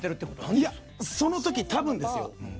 いや、その時、多分ですよ。